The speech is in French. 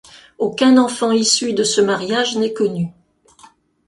Aucun enfant issu de ce mariage n'est connu.